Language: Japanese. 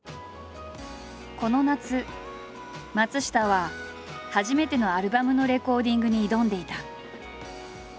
この夏松下は初めてのアルバムのレコーディングに挑んでいた。